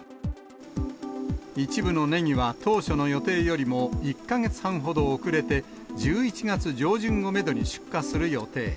一部のネギは当初の予定よりも１か月半ほど遅れて、１１月上旬をメドに出荷する予定。